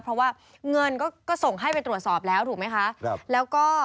เพราะว่าเงินก็ส่งให้ไปตรวจสอบแล้วถูกไหมคะ